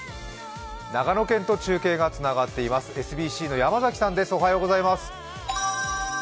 長野県と中継がつながっていますＳＢＣの山崎さんです。